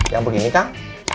yang begini kang